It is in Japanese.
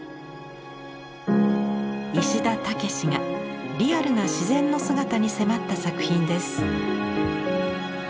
石田武がリアルな自然の姿に迫った作品です。